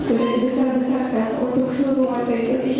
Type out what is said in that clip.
sudah dibesarkan untuk semua pemerintah di siam